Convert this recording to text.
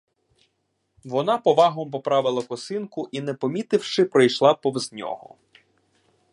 Вона повагом поправила косинку і, не помітивши, пройшла повз нього.